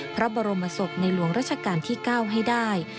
พระบรมศพในหลวงราชการที่๙ให้ได้